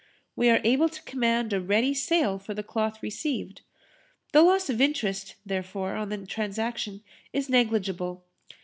We are able to command a ready sale for the cloth received. The loss of interest, therefore, on the transaction is negligible.